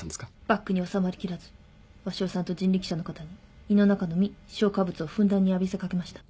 バッグに収まりきらず鷲尾さんと人力車の方に胃の中の未消化物をふんだんに浴びせ掛けました。